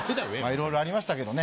いろいろありましたけどね